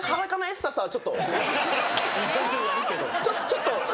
ちょっと。